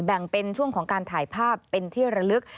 แบ่งเป็นช่วงของการถ่ายภาพเป็นที่ระลึก